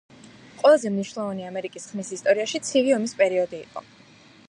ყველაზე მნიშვნელოვანი ამერიკის ხმის ისტორიაში ცივი ომის პერიოდი იყო.